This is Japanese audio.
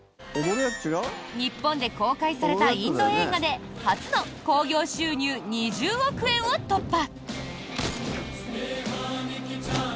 日本で公開されたインド映画で初の興行収入２０億円を突破！